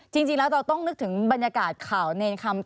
จริงแล้วเราต้องนึกถึงบรรยากาศข่าวเนรคำ